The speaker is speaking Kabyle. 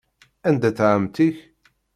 Anda-tt ɛemmti-k?